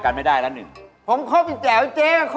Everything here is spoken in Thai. อะไรสูงมาก